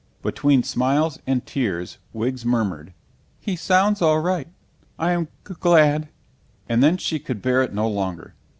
_" Between smiles and tears Wiggs murmured, "He sounds all right. I am g glad." And then she could bear it no longer.